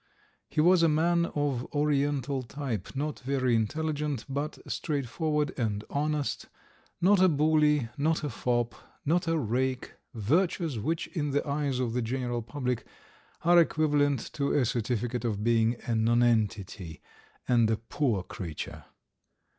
He was a man of Oriental type, not very intelligent, but straightforward and honest, not a bully, not a fop, and not a rake virtues which, in the eyes of the general public, are equivalent to a certificate of being a nonentity and a poor creature.